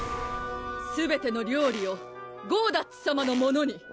すべての料理をゴーダッツさまのものに！